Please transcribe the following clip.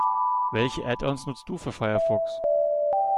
Welche Add-ons nutzt du für Firefox?